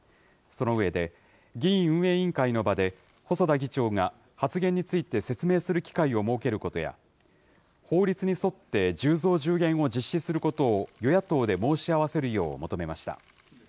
その上で、議院運営委員会の場で細田議長が発言について説明する機会を設けることや、法律に沿って１０増１０減を実施することを与野党で申し合わせるよう求めました。